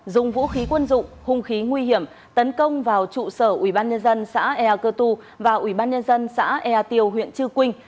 dùng vũ khí quân dụng hung khí nguy hiểm tấn công vào trụ sở ủy ban nhân dân xã ea cơ tu và ủy ban nhân dân xã ea tiều huyện trư quynh